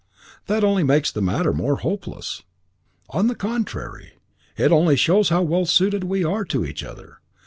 "That only makes the matter more hopeless." "On the contrary, it only shows how well suited we are to each other.